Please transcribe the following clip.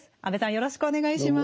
よろしくお願いします。